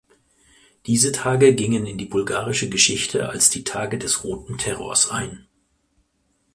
Diese Tage gingen in die bulgarische Geschichte als die „Tage des roten Terrors“ ein.